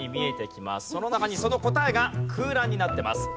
その中にその答えが空欄になってます。